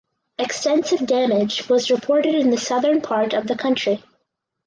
Extensive damage was reported in the southern part of the country.